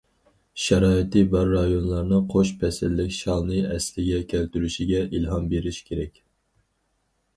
شارائىتى بار رايونلارنىڭ قوش پەسىللىك شالنى ئەسلىگە كەلتۈرۈشىگە ئىلھام بېرىش كېرەك.